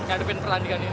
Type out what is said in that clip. perhatikan pertandingan ini